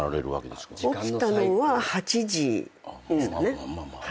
起きたのは８時ですかね。